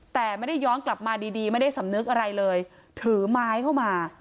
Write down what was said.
แต่ไม่ได้ย้อนกลับมาดีดีไม่ได้สำนึกอะไรเลยถือไม้เข้ามา